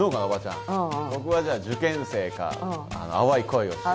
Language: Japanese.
僕はじゃあ受験生か淡い恋をしている。